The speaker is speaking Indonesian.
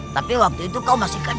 tapi waktu itu kau masih kerja